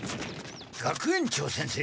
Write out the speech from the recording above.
学園長先生！